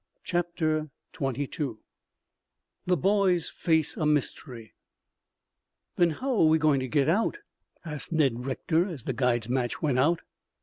CHAPTER XXII THE BOYS FACE A MYSTERY "Then how are we going to get out?" asked Ned Rector as the guide's match went out.